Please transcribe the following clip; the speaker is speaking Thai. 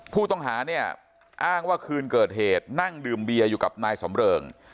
ผู้ต้องหาเนี่ยอ้างว่าคืนเกิดเหตุนั่งดื่มเบียอยู่กับนายสำเริง